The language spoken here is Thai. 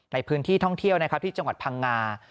ในพื้นที่ท่องเที่ยวนะครับที่จังหวัดพังงา